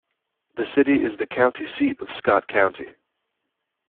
The city is the county seat of Scott County.